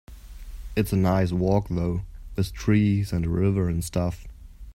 It's a nice walk though, with trees and a river and stuff.